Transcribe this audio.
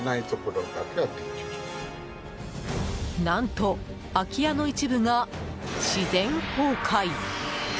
何と空き家の一部が自然崩壊。